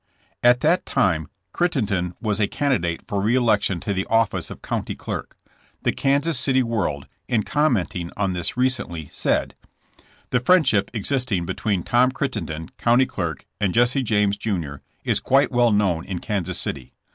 '' At that time Crittenden was a candidate for re election to the office of County Clerk. The Kansas City "World, in commenting on this recently, said : The friendship existing between Tom Critten den, county clerk, and Jesse James, jr., is quite well known in Kansas City.